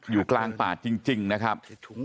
อยู่กลางป่าจริงนะครับ